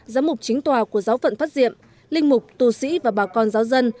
giám mục chính tòa của giáo phận phát diệm linh mục tù sĩ và bà con giáo dân